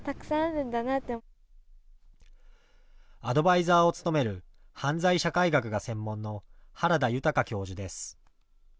アドバイザーを務める犯罪社会学が専門の原田豊教授です。